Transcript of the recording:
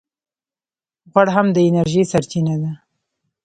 غوړ هم د انرژۍ سرچینه ده